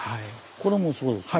これもそうですね。